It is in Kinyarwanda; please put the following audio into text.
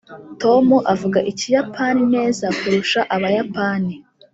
tom avuga ikiyapani neza kurusha abayapani.